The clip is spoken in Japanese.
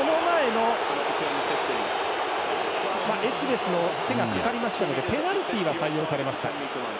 その前のエツベスの手がかかりましたのでペナルティが採用されました。